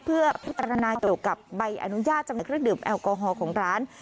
เพื่อร้าดเดียวกับใบอนุญาตทำเนื้อเครื่องดื่มแอลกอฮอล์ของร้าน